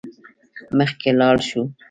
مخکې لاړ شو.